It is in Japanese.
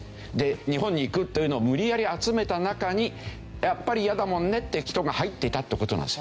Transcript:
日本に行くというのを無理やり集めた中にやっぱり嫌だもんねって人が入っていたって事なんです。